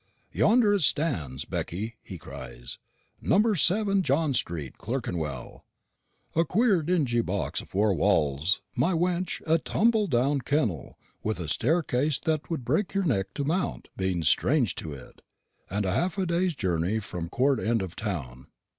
'Yonder it stands, Becky,' he cries; 'number seven John street, Clerkenwell; a queer dingy box of four walls, my wench a tumble down kennel, with a staircase that 'twould break your neck to mount, being strange to it and half a day's journey from the court end of town.